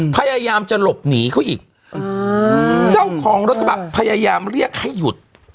พยายามจะหลบหนีเขาอีกเจ้าของรถกระบะพยายามเรียกให้หยุด